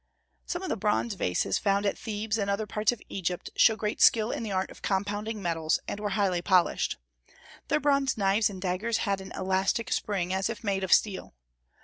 Some of the bronze vases found at Thebes and other parts of Egypt show great skill in the art of compounding metals, and were highly polished. Their bronze knives and daggers had an elastic spring, as if made of steel.